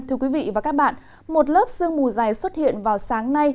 thưa quý vị và các bạn một lớp sương mù dày xuất hiện vào sáng nay